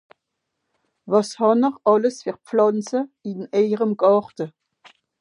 wàs hànn'r àlles fer Pflànze in ejerem Gàrte ?